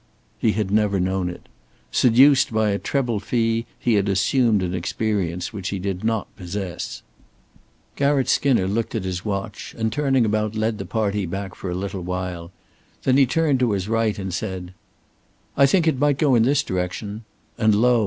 He had never known it. Seduced by a treble fee, he had assumed an experience which he did not possess. Garratt Skinner looked at his watch, and turning about led the party back for a little while. Then he turned to his right and said: "I think it might go in this direction," and lo!